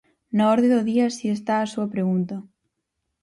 Na orde do día si está a súa pregunta.